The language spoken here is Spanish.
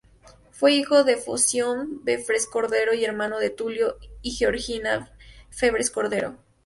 Fue hijo de Foción Febres-Cordero y hermano de Tulio y Georgina Febres-Cordero.